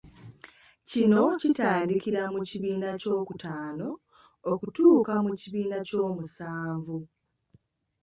Kino kitandikira mu kibiina ekyokutaano okutuuka mu kibiina eky'omusanvu.